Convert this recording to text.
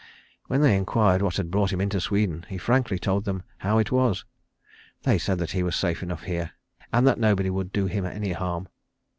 When they inquired what had brought him into Sweden he frankly told them how it was. They said that he was safe enough here, and that nobody would do him any harm.